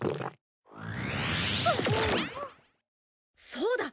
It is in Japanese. そうだ！